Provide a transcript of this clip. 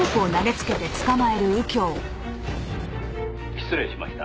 「失礼しました」